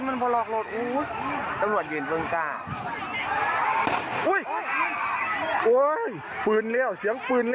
ไม่อย่าไป